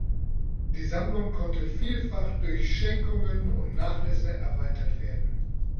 Die Sammlung konnte vielfach durch Schenkungen und Nachlässe erweitert werden.